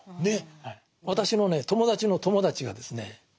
私のね友達の友達がですね